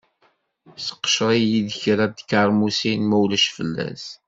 Seqcer-iyi-d kra n tkeṛmusin ma ulac fell-as.